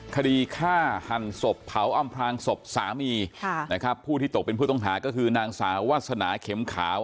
คดีฆ่าหันศพเผาอำพลางศพสามีค่ะนะครับผู้ที่ตกเป็นผู้ต้องหาก็คือนางสาววาสนาเข็มขาว